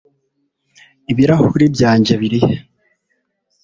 ibirahuri byanjye biri he